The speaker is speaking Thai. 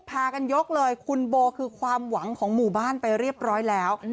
พากันยกเลยคุณโบคือความหวังของหมู่บ้านไปเรียบร้อยแล้ว